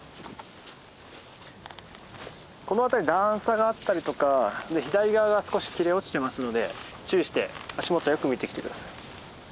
この辺り段差があったりとか左側が少し切れ落ちてますので注意して足元をよく見て来て下さい。